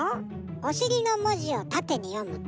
おしりのもじをたてによむと。